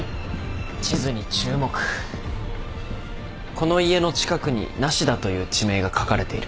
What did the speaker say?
この家の近くに無田という地名が書かれている。